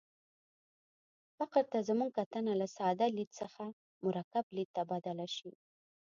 فقر ته زموږ کتنه له ساده لید څخه مرکب لید ته بدله شي.